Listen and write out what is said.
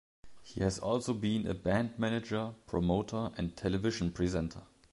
He has also been a band manager, promoter and television presenter.